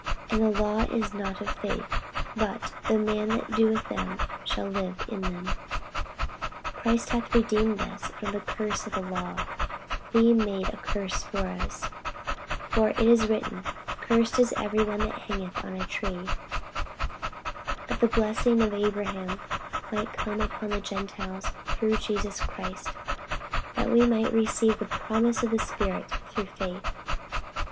48:003:012 And the law is not of faith: but, The man that doeth them shall live in them. 48:003:013 Christ hath redeemed us from the curse of the law, being made a curse for us: for it is written, Cursed is every one that hangeth on a tree: 48:003:014 That the blessing of Abraham might come on the Gentiles through Jesus Christ; that we might receive the promise of the Spirit through faith.